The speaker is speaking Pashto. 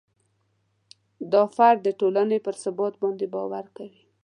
دا فرد د ټولنې پر ثبات باندې باوري کوي.